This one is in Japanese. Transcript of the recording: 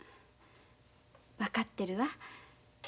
分かってるわ。